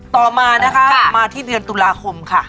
ต่อมานะคะมาที่เดือนตุลาคมค่ะ